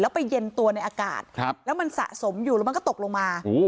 ไปเย็นตัวในอากาศแล้วมันสะสมอยู่แล้วมันก็ตกลงมา